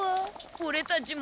オレたちも。